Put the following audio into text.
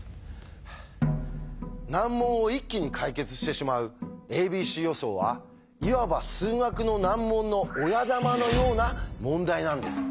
難問を一気に解決してしまう「ａｂｃ予想」はいわば数学の難問の親玉のような問題なんです。